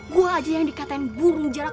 gue aja yang dikatakan burung jarak